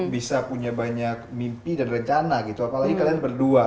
bisa punya banyak mimpi dan rencana gitu apalagi kalian berdua